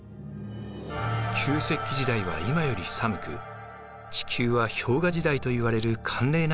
旧石器時代は今より寒く地球は氷河時代といわれる寒冷な時代でした。